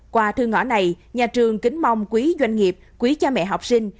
qua thư ngõ này nhà trường kính mong quý doanh nghiệp quý cha mẹ học sinh